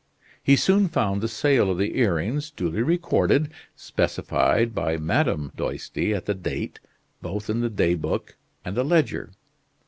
He soon found the sale of the earrings duly recorded specified by Madame Doisty at the date both in the day book and the ledger.